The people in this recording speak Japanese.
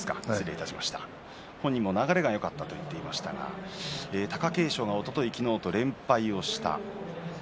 本人も流れがよかったと言っていました貴景勝は昨日おとといと連敗をしました。